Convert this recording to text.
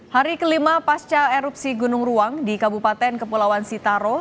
hari kelima pasca erupsi gunung ruang di kabupaten kepulauan sitaro